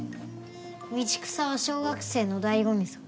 道草は小学生の醍醐味ぞ。